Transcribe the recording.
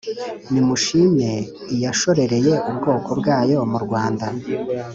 Nimushime iyashorereye ubwoko bwayo murwanda